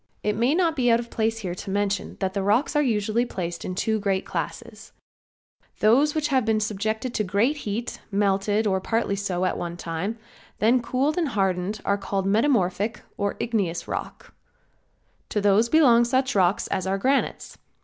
It may not be out of place here to mention that rocks are usually placed in two great classes, those which have been subject to great heat, melted, or partly so, at one time, then cooled and hardened are called metamorphic or igneous rocks. To these belong such rocks as our granites.